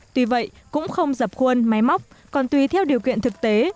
tuy vậy cũng không dập khuôn máy móc còn tùy theo điều kiện thực tế